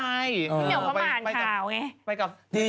พี่เหนียวประมาณขาวไง